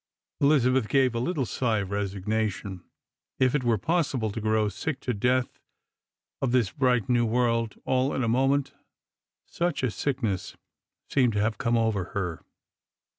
Elizabeth gave a little sigh of resignation. If it were pos sible to grow sick to deatli of this bright new world all in a moment, such a sickness seemed to have come upon her.